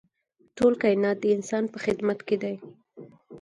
ټول کاینات د انسان په خدمت کې دي.